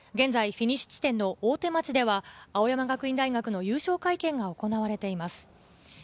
フィニッシュ地点の大手町では青山学院大学の優勝会見が行われています。